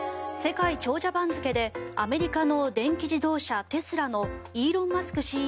世界長者番付でアメリカの電気自動車テスラのイーロン・マスク